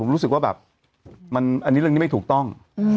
รู้สึกว่าแบบอันนี้เรื่องนี้ไม่ถูกต้อง